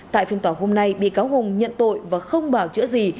tại phiên tòa hôm nay bị cáo hùng nhận tội và không bảo chữa gì